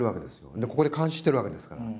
で、ここで監視してるわけですから。